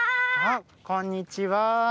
あっこんにちは。